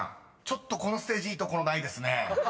ちょっとこのステージいいところないですね］